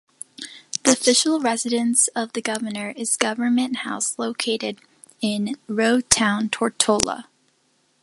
The official residence of the Governor is Government House located in Road Town, Tortola.